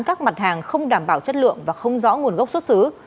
các mặt hàng không đảm bảo chất lượng và không rõ nguồn gốc xuất xứ